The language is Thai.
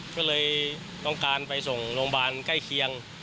ก็เลยต้องการไปส่งโรงพยาบาลใกล้เคียง